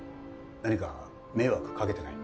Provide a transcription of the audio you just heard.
何か迷惑かけてない？